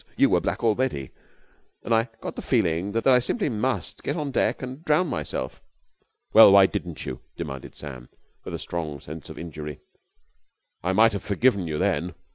You were black already and I got the feeling that I simply must get on deck and drown myself." "Well, why didn't you?" demanded Sam, with a strong sense of injury. "I might have forgiven you then.